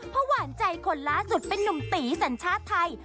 เพราะหวานใจคนล่าสุดเป็นนุ่มตีสัญชาติไทย